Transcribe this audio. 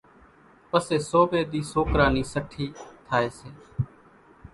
پسيَ سوميَ ۮِي سوڪرا نِي سٺِي ٿائيَ سي۔